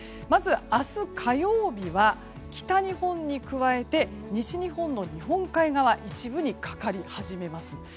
まず明日火曜日は北日本に加えて西日本の日本海側一部にかかり始めます。